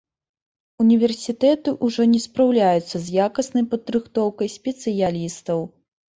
Універсітэты ўжо не спраўляюцца з якаснай падрыхтоўкай спецыялістаў.